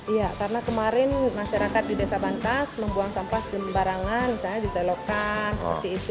iya karena kemarin masyarakat di desa bantas membuang sampah sembarangan misalnya di selokan seperti itu